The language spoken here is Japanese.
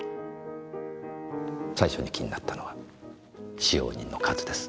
最初に気になったのは使用人の数です。